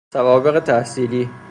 سوابق تحصیلی